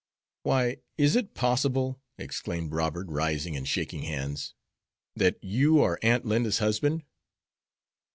"Why, is it possible," exclaimed Robert, rising, and shaking hands, "that you are Aunt Linda's husband?"